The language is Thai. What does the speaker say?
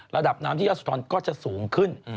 ระดับน้ำที่ยอดสุธรก็จะสูงขึ้น